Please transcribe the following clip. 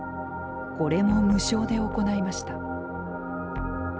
これも無償で行いました。